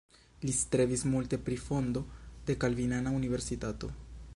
Li strebis multe pri fondo de kalvinana universitato.